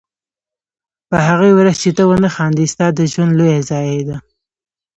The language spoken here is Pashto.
په هغې ورځ چې ته ونه خاندې ستا د ژوند لویه ضایعه ده.